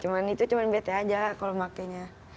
cuma itu cuma bete aja kalau pakainya